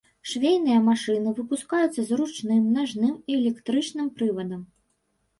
Швейныя машыны выпускаюцца з ручным, нажным і электрычным прывадам.